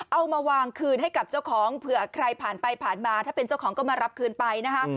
เอามาวางคืนให้กับเจ้าของเผื่อใครผ่านไปผ่านมาถ้าเป็นเจ้าของก็มารับคืนไปนะคะ